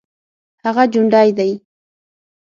هغه جوندى دى.